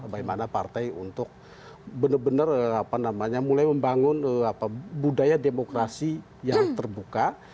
bagaimana partai untuk benar benar mulai membangun budaya demokrasi yang terbuka